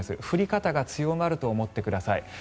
降り方が強まると思ってください。